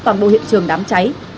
toàn bộ hiện trường đám cháy